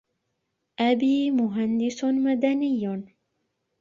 أبي مهندس مدني.